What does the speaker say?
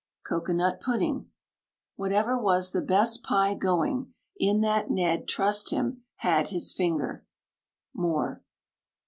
COCOANUT PUDDING. Whatever was the best pie going, In that Ned trust him had his finger. MOORE.